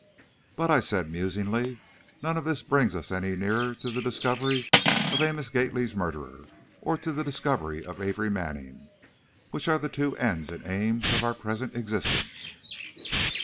"But," I said, musingly, "none of this brings us any nearer to the discovery of Amos Gately's murderer, or to the discovery of Amory Manning, which are the two ends and aims of our present existence."